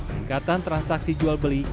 peningkatan transaksi jual beli